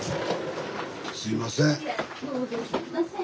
すいません。